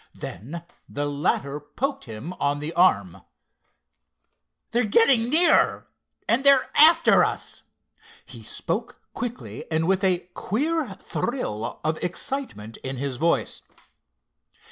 Then the latter poked him on the arm. "They're getting nearer, and they're after us," he spoke quickly, and with a queer thrill of excitement in his voice.